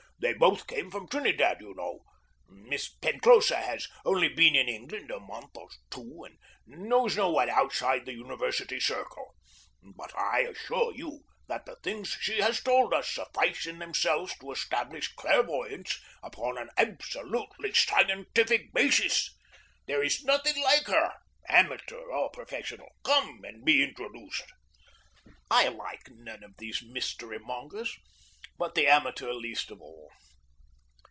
They both come from Trinidad, you know. Miss Penclosa has only been in England a month or two, and knows no one outside the university circle, but I assure you that the things she has told us suffice in themselves to establish clairvoyance upon an absolutely scientific basis. There is nothing like her, amateur or professional. Come and be introduced!" I like none of these mystery mongers, but the amateur least of all.